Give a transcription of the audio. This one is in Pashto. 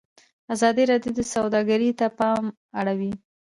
ازادي راډیو د سوداګري ته پام اړولی.